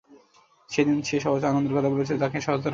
সেদিন যে সহজ আনন্দের কথা বলেছিলে তাকে সহজ রাখবার জন্যে।